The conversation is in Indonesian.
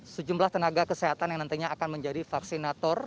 sejumlah tenaga kesehatan yang nantinya akan menjadi vaksinator